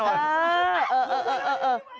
เออเออเออเออ